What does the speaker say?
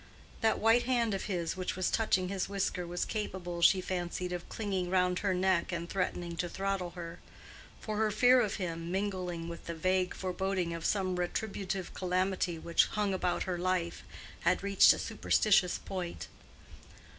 That white hand of his which was touching his whisker was capable, she fancied, of clinging round her neck and threatening to throttle her; for her fear of him, mingling with the vague foreboding of some retributive calamity which hung about her life, had reached a superstitious point.